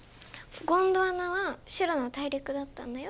ゴンドワナはシュラの大陸だったんだよ。